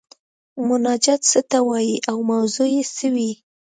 مناجات څه ته وايي او موضوع یې څه وي؟